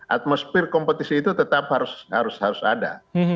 atmosfer kompetisi itu tetap harus ada